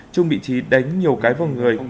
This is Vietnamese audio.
trung bị trí đánh nhiều cái vòng người